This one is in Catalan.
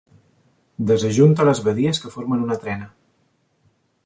Desajunta les badies que formen una trena.